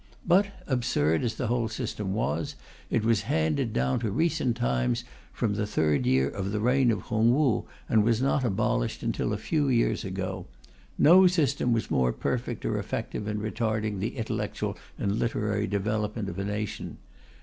But absurd as the whole system was, it was handed down to recent times from the third year of the reign of Hung Wu, and was not abolished until a few years ago. No system was more perfect or effective in retarding the intellectual and literary development of a nation.